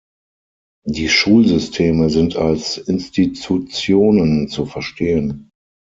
Die Schulsysteme sind als Institutionen zu verstehen.